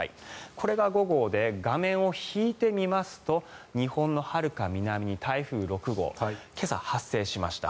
これが午後で画面を引いて見ますと日本のはるか南に台風６号今朝、発生しました。